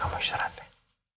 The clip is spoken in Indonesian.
kalau sudah tidak seperti itu